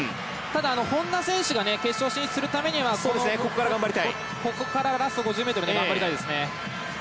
ただ、本多選手が決勝進出するためにはここからラスト５０ｍ頑張りたいですね。